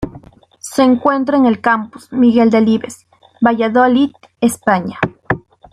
Se encuentra en el Campus Miguel Delibes, Valladolid, España.